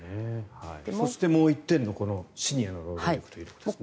そして、もう１点のシニアの労働力ということですね。